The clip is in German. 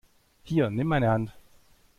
Hier, nimm meine Hand!